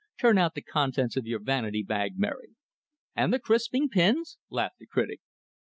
"Turn out the contents of your vanity bag, Mary." "And the crisping pins?" laughed the critic.